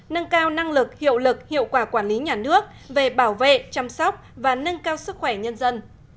nâng cao năng lực hiệu lực hiệu quả quản lý nhà nước về bảo vệ chăm sóc và nâng cao sức khỏe nhân dân